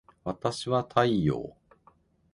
わたしは太陽